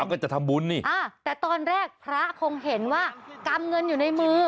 ก็จะทำบุญนี่อ่าแต่ตอนแรกพระคงเห็นว่ากำเงินอยู่ในมือ